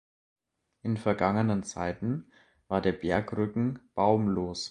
In vergangenen Zeiten war der Bergrücken baumlos.